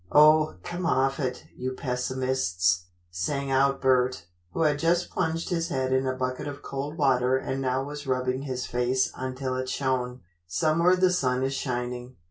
"Oh, come off, you pessimists," sang out Bert, who had just plunged his head in a bucket of cold water and now was rubbing his face until it shone, "somewhere the sun is shining."